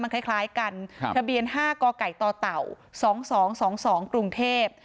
คล้ายกันทะเบียน๕กไก่ต่อเต่า๒๒๒๒กรุงเทพ